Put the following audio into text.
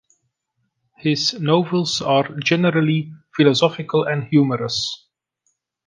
His novels are generally philosophical and humorous.